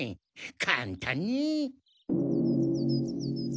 かんたんに。